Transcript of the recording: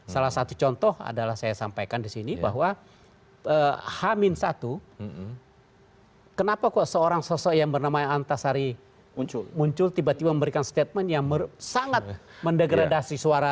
salah satu contoh adalah saya sampaikan di sini bahwa h satu kenapa kok seorang sosok yang bernama antasari muncul tiba tiba memberikan statement yang sangat mendegradasi suara